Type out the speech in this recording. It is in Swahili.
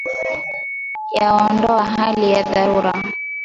Yaondoa hali ya dharura.